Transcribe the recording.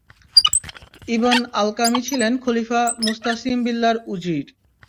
Ibn Alqami ছিল খলীফা মুসতাসিম বিল্লাহর উযীর।